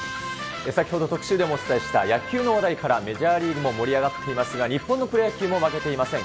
先ほど、特集でもお伝えした野球の話題から、メジャーリーグも盛り上がっていますが、日本のプロ野球も負けていません。